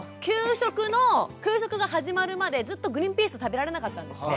給食が始まるまでずっとグリンピース食べられなかったんですね。